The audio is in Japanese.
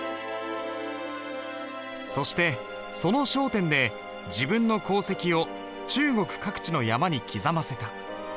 そしてその小篆で自分の功績を中国各地の山に刻ませた。